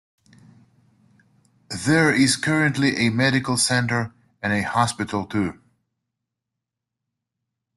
There is currently a medical center, and a hospital too.